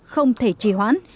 không thể trì hoãn